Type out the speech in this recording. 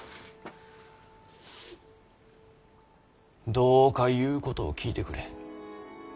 どうか言うことを聞いてくれ。